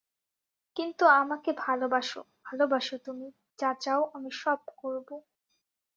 কিন্তু আমাকে ভালোবাসো, ভালোবাসো তুমি, যা চাও আমি সব করব।